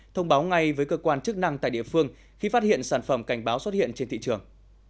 thông báo ngay với cơ quan chức năng tại địa phương khi phát hiện sản phẩm cảnh báo xuất hiện trên thị trường